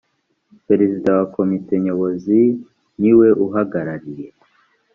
perezida wa komite nyobozi ni we uhagarariye